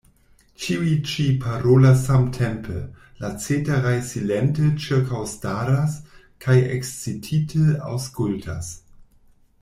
Ĉiuj ĉi parolas samtempe; la ceteraj silente ĉirkaŭstaras, kaj ekscitite aŭskultas.